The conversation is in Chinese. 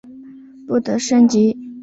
不得升级。